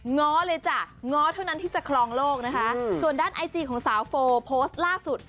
ง้อเลยจ้ะง้อเท่านั้นที่จะคลองโลกนะคะส่วนด้านไอจีของสาวโฟโพสต์ล่าสุด